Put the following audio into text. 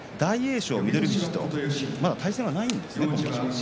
翔、翠富士とまだ対戦がないんですよね。